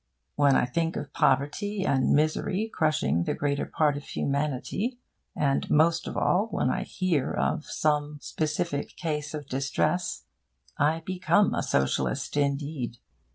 When I think of poverty and misery crushing the greater part of humanity, and most of all when I hear of some specific case of distress, I become a socialist indeed.